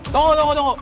tunggu tunggu tunggu